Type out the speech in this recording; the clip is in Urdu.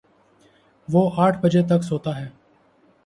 وہ آٹھ بجے تک سوتا ہے